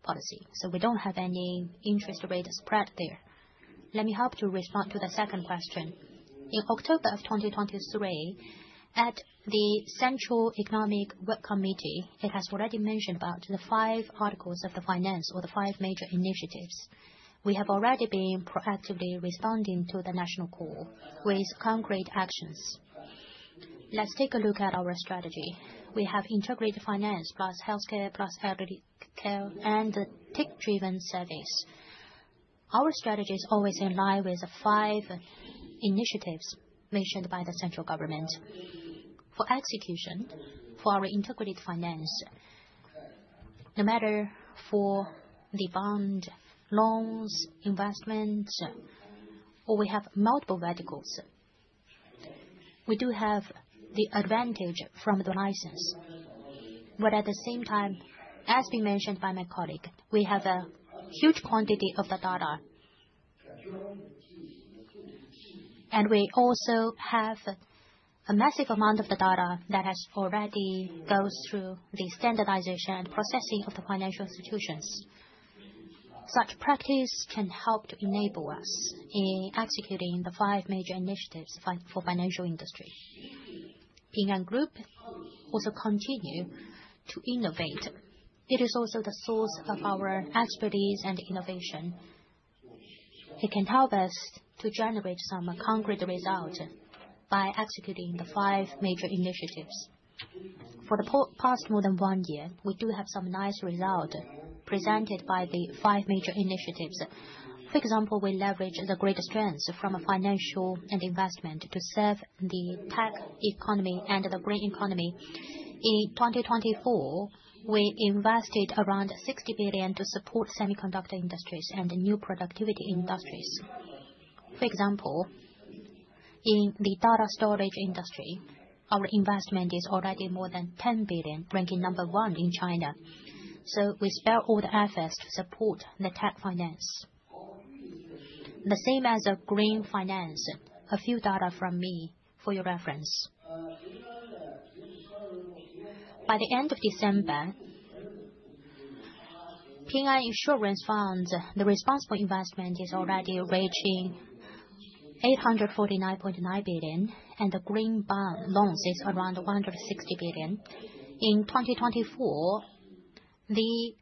policy. We do not have any interest rate spread there. Let me hope to respond to the second question. In October of 2023, at the Central Economic Committee, it has already mentioned about the five articles of the finance or the five major initiatives. We have already been proactively responding to the national call with concrete actions. Let's take a look at our strategy. We have integrated finance plus healthcare plus elderly care and tech-driven service. Our strategy is always in line with the five initiatives mentioned by the central government. For execution, for our integrated finance, no matter for the bond, loans, investments, or we have multiple verticals, we do have the advantage from the license. At the same time, as been mentioned by my colleague, we have a huge quantity of the data, and we also have a massive amount of the data that has already gone through the standardization and processing of the financial institutions. Such practice can help to enable us in executing the five major initiatives for the financial industry. Ping An Group also continues to innovate. It is also the source of our expertise and innovation. It can help us to generate some concrete results by executing the five major initiatives. For the past more than one year, we do have some nice results presented by the five major initiatives. For example, we leverage the greatest strengths from financial and investment to serve the tech economy and the green economy. In 2024, we invested around 60 billion to support semiconductor industries and new productivity industries. For example, in the data storage industry, our investment is already more than 10 billion, ranking number one in China. We spare all the efforts to support the tech finance. The same as green finance. A few data from me for your reference. By the end of December, Ping An Insurance found the responsible investment is already reaching 849.9 billion, and the green bond loans is around 160 billion. In 2024, the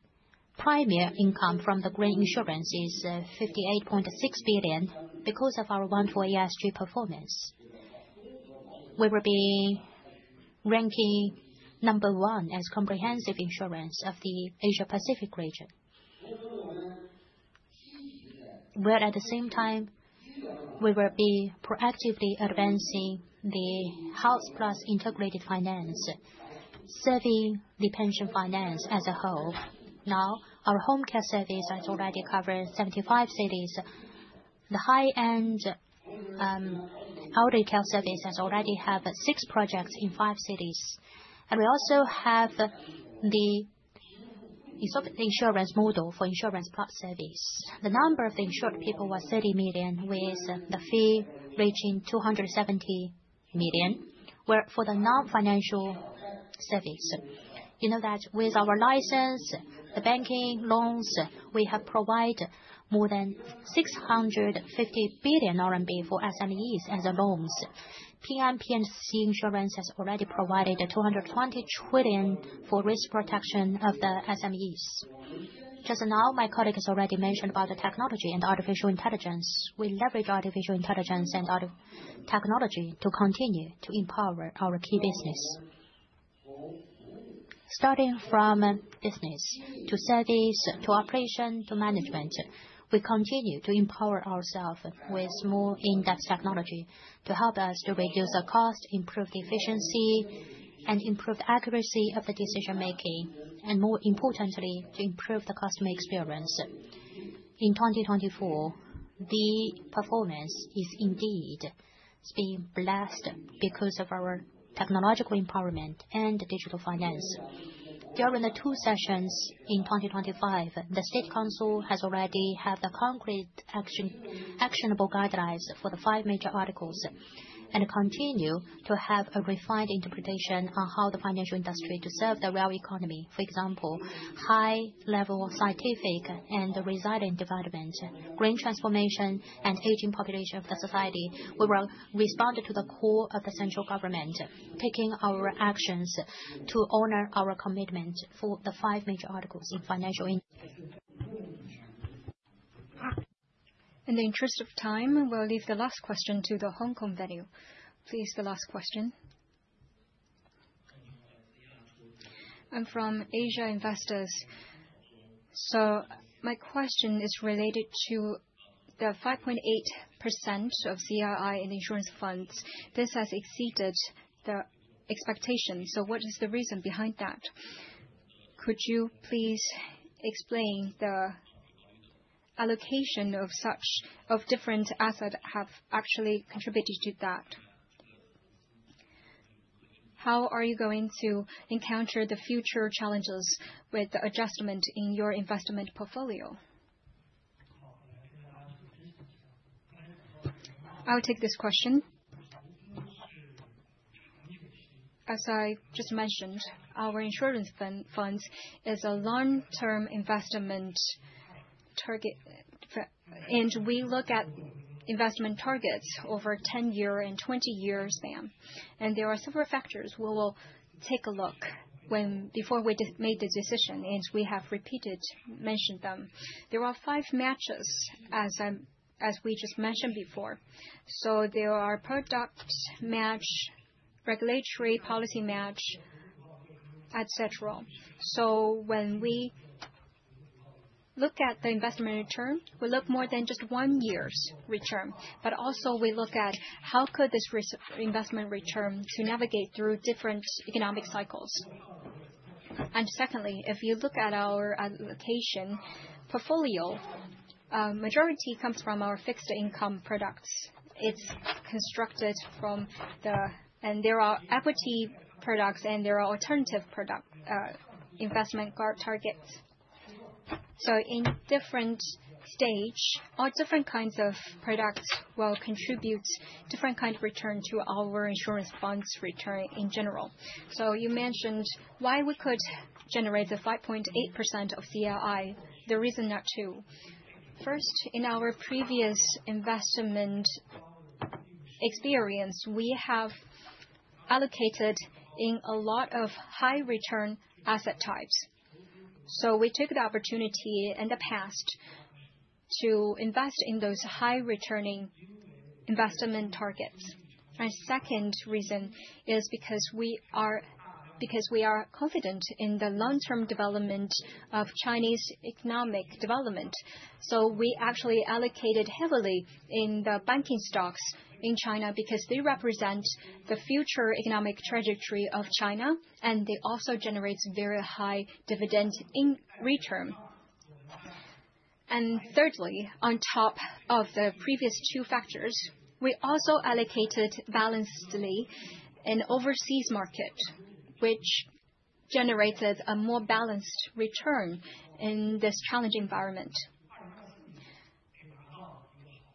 primary income from the green insurance is 58.6 billion because of our uncertain ESG performance. We will be ranking number one as comprehensive insurance of the Asia-Pacific region. At the same time, we will be proactively advancing the Health plus integrated finance, serving the pension finance as a whole. Now, our home care service has already covered 75 cities. The high-end elderly care service has already had six projects in five cities. We also have the insurance model for insurance plus service. The number of insured people was 30 million, with the fee reaching 270 million, where for the non-financial service. You know that with our license, the banking loans, we have provided more than 650 billion RMB for SMEs as loans. P&C insurance has already provided 220 trillion for risk protection of the SMEs. Just now, my colleague has already mentioned about the technology and artificial intelligence. We leverage artificial intelligence and technology to continue to empower our key business. Starting from business to service, to operation, to management, we continue to empower ourselves with more in-depth technology to help us to reduce the cost, improve the efficiency, and improve the accuracy of the decision-making, and more importantly, to improve the customer experience. In 2024, the performance is indeed being blessed because of our technological empowerment and digital finance. During the two sessions in 2025, the State Council has already had the concrete actionable guidelines for the five major articles and continues to have a refined interpretation on how the financial industry to serve the real economy. For example, high-level scientific and resilient development, green transformation, and aging population of the society. We will respond to the call of the central government, taking our actions to honor our commitment for the five major articles in financial. In the interest of time, we'll leave the last question to the Hong Kong venue. Please, the last question. I'm from Asia Investors. My question is related to the 5.8% of CII in insurance funds. This has exceeded the expectation. What is the reason behind that? Could you please explain the allocation of such different assets that have actually contributed to that? How are you going to encounter the future challenges with the adjustment in your investment portfolio? I'll take this question. As I just mentioned, our insurance funds is a long-term investment target, and we look at investment targets over 10 years and 20 years. There are several factors we will take a look before we made the decision, and we have repeatedly mentioned them. There are five matches, as we just mentioned before. There are product match, regulatory policy match, etc. When we look at the investment return, we look more than just one year's return, but also we look at how could this investment return navigate through different economic cycles. Secondly, if you look at our allocation portfolio, the majority comes from our fixed income products. It is constructed from the fixed income products. There are equity products, and there are alternative investment targets. In different stages, different kinds of products will contribute different kinds of returns to our insurance funds return in general. You mentioned why we could generate the 5.8% of CII, the reason is, first, in our previous investment experience, we have allocated in a lot of high-return asset types. We took the opportunity in the past to invest in those high-returning investment targets. The second reason is because we are confident in the long-term development of Chinese economic development. We actually allocated heavily in the banking stocks in China because they represent the future economic trajectory of China, and they also generate very high dividend return. Thirdly, on top of the previous two factors, we also allocated balancedly in overseas markets, which generated a more balanced return in this challenging environment.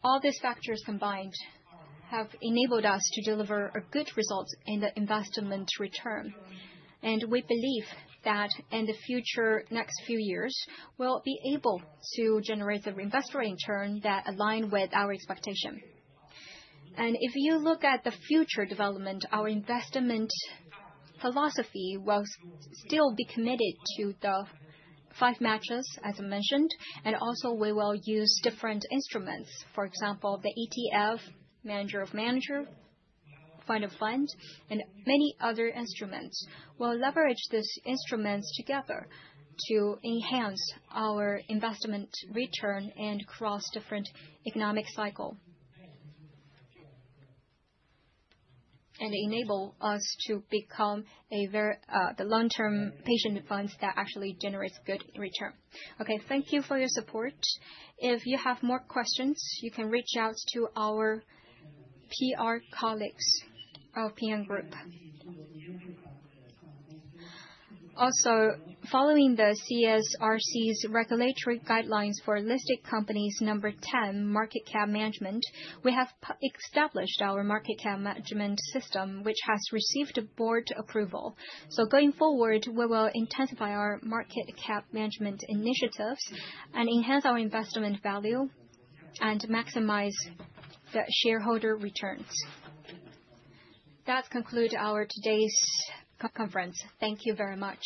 All these factors combined have enabled us to deliver a good result in the investment return. We believe that in the future, next few years, we'll be able to generate the reinvestment return that aligns with our expectation. If you look at the future development, our investment philosophy will still be committed to the five matches, as I mentioned, and also we will use different instruments. For example, the ETF, manager of manager, fund of fund, and many other instruments. We'll leverage these instruments together to enhance our investment return across different economic cycles and enable us to become the long-term patient funds that actually generate good return. Okay, thank you for your support. If you have more questions, you can reach out to our PR colleagues of Ping An Group. Also, following the CSRC's regulatory guidelines for listed companies number 10, market cap management, we have established our market cap management system, which has received board approval. Going forward, we will intensify our market cap management initiatives and enhance our investment value and maximize the shareholder returns. That concludes our today's conference. Thank you very much.